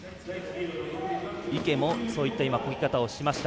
池も、そういったこぎ方をしていました。